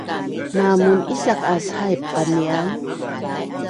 Namun’isaq aas haip qanian?